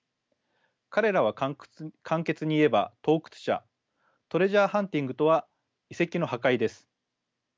彼らは簡潔に言えば盗掘者トレジャーハンティングとは遺跡の破壊です。